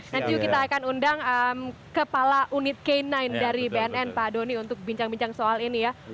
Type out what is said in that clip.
nanti kita akan undang kepala unit k sembilan dari bnn pak doni untuk bincang bincang soal ini ya